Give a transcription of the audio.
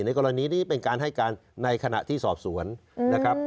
กรณีนี้เป็นการให้การในขณะที่สอบสวนนะครับ